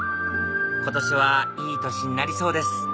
今年はいい年になりそうです